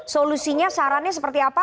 solusinya sarannya seperti apa